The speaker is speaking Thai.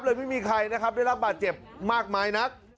โดนไม่มีใครนะครับได้ลำบาดเจ็บมากมายนะ